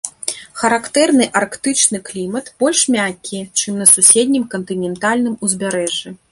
Характэрны арктычны клімат, больш мяккі, чым на суседнім кантынентальным узбярэжжы.